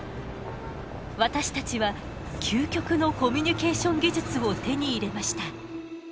私たちは究極のコミュニケーション技術を手に入れました。